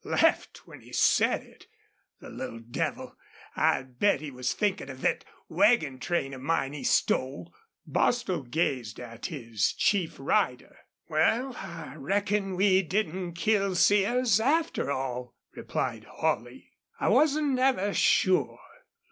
Laughed when he said it, the little devil! I'll bet he was thinkin' of thet wagon train of mine he stole." Bostil gazed at his chief rider. "Wal, I reckon we didn't kill Sears, after all," replied Holley. "I wasn't never sure."